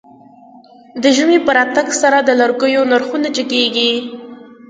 د ژمی په راتګ سره د لرګيو نرخونه جګېږي.